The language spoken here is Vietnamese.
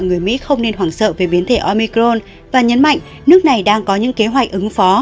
người mỹ không nên hoảng sợ về biến thể omicron và nhấn mạnh nước này đang có những kế hoạch ứng phó